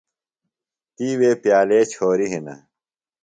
تی وے پِیالے چھوریۡ ہِنہ۔